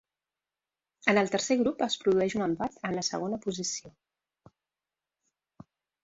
En el tercer grup es produeix un empat en la segona posició.